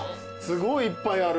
すごいいっぱいある。